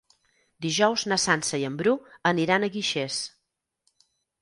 Dijous na Sança i en Bru aniran a Guixers.